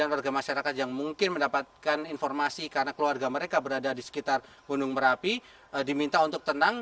karena warga masyarakat yang mungkin mendapatkan informasi karena keluarga mereka berada di sekitar gunung merapi diminta untuk tenang